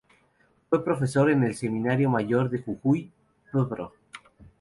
Fue Profesor en el Seminario Mayor de Jujuy “Pbro.